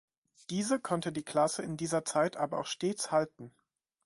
Diese konnte die Klasse in dieser Zeit aber auch stets halten.